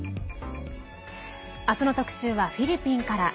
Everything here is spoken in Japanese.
明日の特集はフィリピンから。